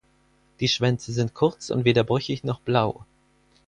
Die Schwänze sind kurz und weder brüchig noch blau.